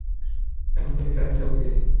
ঐখান থেকে ট্রাক নিয়ে যাব দিল্লিতে।